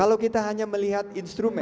kalau kita hanya melihat instrumen